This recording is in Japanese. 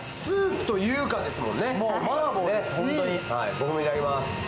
僕もいただきます。